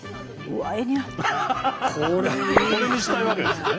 これにしたいわけですね。